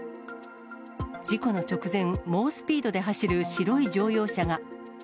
事故の直前、猛スピードで走る白い乗用車が。